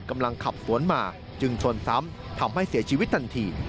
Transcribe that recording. กำลังขับสวนมาจึงชนซ้ำทำให้เสียชีวิตทันที